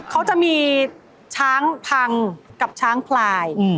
เขาจะมีช้างพังกับช้างพลาย